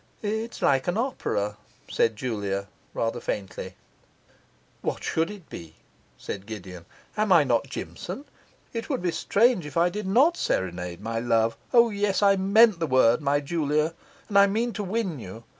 'It's like an opera,' said Julia, rather faintly. 'What should it be?' said Gideon. 'Am I not Jimson? It would be strange if I did not serenade my love. O yes, I mean the word, my Julia; and I mean to win you.